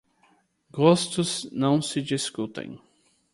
Gostos não se discutem.